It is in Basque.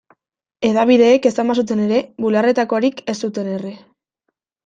Hedabideek esan bazuten ere, bularretakorik ez zuten erre.